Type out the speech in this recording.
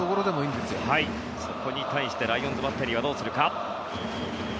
ここに対してライオンズバッテリーはどうするか。